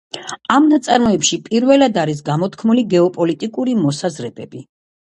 ამ ნაწარმოებში პირველად არის გამოთქმული გეოპოლიტიკური მოსაზრებები.